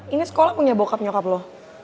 ini sekolah punya bokap nyokap loh